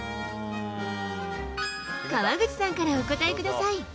川口さんからお答えください。